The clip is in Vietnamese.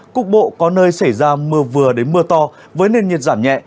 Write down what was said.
cục bộ có nơi xảy ra mưa vừa đến mưa to với nền nhiệt giảm nhẹ